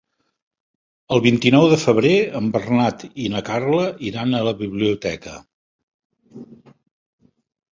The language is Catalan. El vint-i-nou de febrer en Bernat i na Carla iran a la biblioteca.